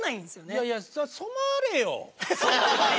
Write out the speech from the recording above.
いやいや染まれよ。